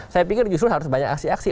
saya pikir justru harus banyak aksi aksi